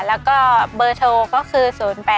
แล้วก็เบอร์โทรก็คือ๐๘๒๓๒๓๒๒๙๘ค่ะ